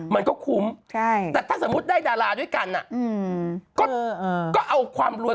มันก็คุ้มแต่ถ้าสมมุติได้ดาราด้วยกันก็เอาความรวย